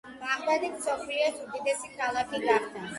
ბაღდადი მსოფლიოს უდიდესი ქალაქი გახდა.